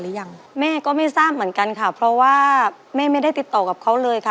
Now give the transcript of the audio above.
หรือยังแม่ก็ไม่ทราบเหมือนกันค่ะเพราะว่าแม่ไม่ได้ติดต่อกับเขาเลยค่ะ